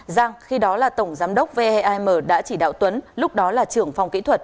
giang khi đó là tổng giám đốc veim đã chỉ đạo tuấn lúc đó là trưởng phòng kỹ thuật